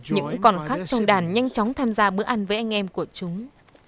những con khác trong đàn nhanh chóng tham gia bữa ăn với anh em của chúng